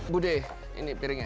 buddhe ini piringnya